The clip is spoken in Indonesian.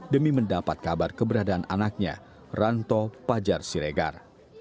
demi mendapat kabar keberadaan anaknya ranto fajar siregar